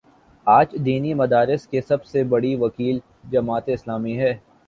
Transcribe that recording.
آج دینی مدارس کی سب سے بڑی وکیل جماعت اسلامی ہے۔